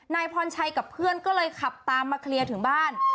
นายพรชัยกับเพื่อนก็เลยขับตามมาเคลียร์ถึงบ้าน